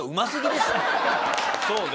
そうね。